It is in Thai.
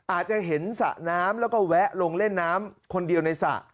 อาจจะเห็นสระน้ำแล้วก็แวะลงเล่นน้ำคนเดียวในสระ